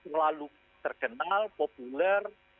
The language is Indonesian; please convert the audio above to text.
terlalu terkenal populer